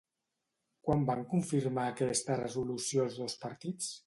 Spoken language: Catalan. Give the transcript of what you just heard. Quan van confirmar aquesta resolució els dos partits?